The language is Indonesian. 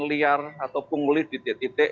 liar atau punggulir di titik titik